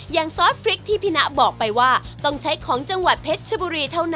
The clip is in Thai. ซอสพริกที่พี่นะบอกไปว่าต้องใช้ของจังหวัดเพชรชบุรีเท่านั้น